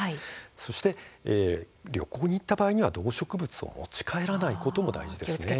そして旅行に行った場合には動植物を持ち帰らないことも大事です。